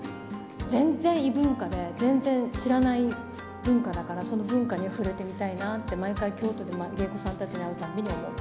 全然異文化で、全然知らない文化だから、その文化に触れてみたいなって、毎回、京都で芸妓さんたちに会うたびに思う。